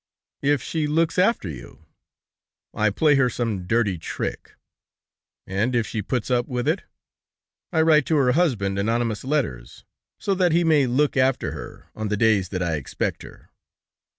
"If she looks after you?" "I play her some dirty trick." "And if she puts up with it?" "I write to her husband anonymous letters, so that he may look after her on the days that I expect her."